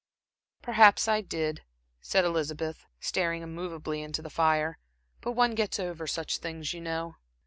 "Perhaps I did," said Elizabeth, staring immovably into the fire "but one gets over such things, you know."